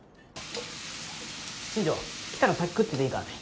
新条来たら先食ってていいからね。